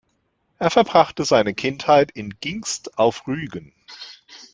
Er verbrachte seine Kindheit in Gingst auf Rügen.